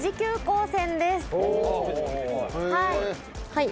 はい。